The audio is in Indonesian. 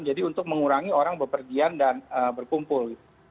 jadi untuk mengurangi orang berpergian dan berkumpul